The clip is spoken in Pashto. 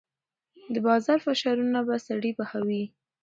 د بازار فشارونه به سړی پخوي.